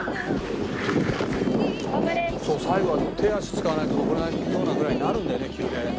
そう最後は手足使わないと登れないようなぐらいになるんだよね急でね。